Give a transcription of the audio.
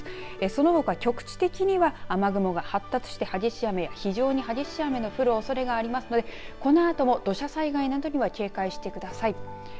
そのほか局地的には雨雲が発達して激しい雨や非常に激しい雨の降るおそれがありますのでこのあとも土砂災害などに警戒してください。